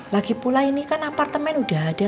lagi pula ini kan apartemen udah ada